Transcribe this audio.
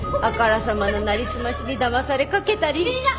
あからさまななりすましにだまされかけたり。